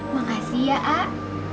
makasih ya a'ah